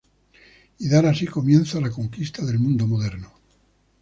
Y dar así comienzo, a la conquista del mundo moderno.